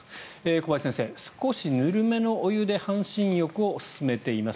小林先生、少しぬるめのお湯で半身浴を勧めています。